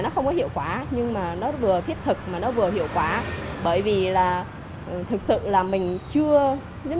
nó không có hiệu quả nhưng mà nó vừa thiết thực mà nó vừa hiệu quả bởi vì là thực sự là mình chưa